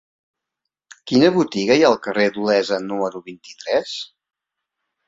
Quina botiga hi ha al carrer d'Olesa número vint-i-tres?